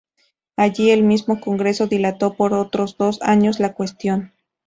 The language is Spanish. Allí, el mismo Congreso dilató por otros dos años la cuestión.